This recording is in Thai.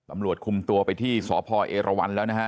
ตำรวจคุมตัวไปที่สพเอรวันแล้วนะฮะ